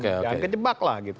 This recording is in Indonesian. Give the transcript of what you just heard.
jangan kejebak lah gitu